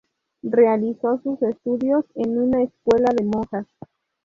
Realizó sus estudios en una escuela de monjas.